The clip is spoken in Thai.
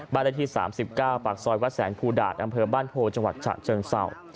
ได้ที่๓๙ปากซอยวัดแสนภูดาตอำเภอบ้านโพจังหวัดฉะเชิงเศร้า